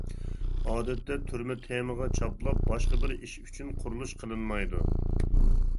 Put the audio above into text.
ئادەتتە تۈرمە تېمىغا چاپلاپ باشقا بىر ئىش ئۈچۈن قۇرۇلۇش قىلىنمايدۇ .